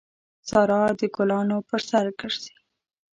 سارا د ګلانو پر سر ګرځي.